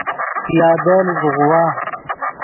پیادل زوغوا